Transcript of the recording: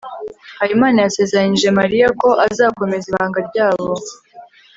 habimana yasezeranyije mariya ko azakomeza ibanga ryabo